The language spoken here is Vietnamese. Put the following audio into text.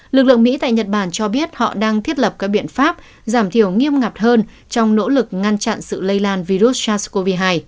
lực lượng mỹ tại nhật bản cho biết họ đang thiết lập các biện pháp giảm thiểu nghiêm ngặt hơn trong nỗ lực ngăn chặn sự lây lan virus sars cov hai